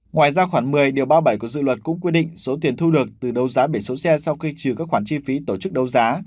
ngoài ra khoảng một mươi điều ba mươi bảy của dự luật cũng quy định số tiền thu được từ đấu giá biển số xe sau khi trừ các khoản chi phí tổ chức đấu giá